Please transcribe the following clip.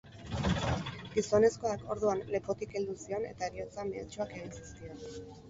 Gizonezkoak, orduan, lepotik heldu zion eta heriotza mehatxuak egin zizkion.